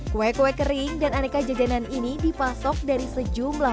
kue kue kering dan aneka jajanan ini dipasok dari sejumlah